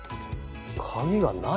鍵がない？